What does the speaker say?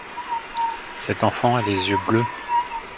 cet enfant a les yeux bleus.